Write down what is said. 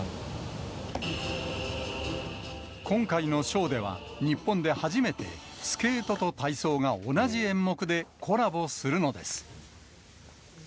今回のショーでは、日本で初めて、スケートと体操が同じ演目でコラボするのです。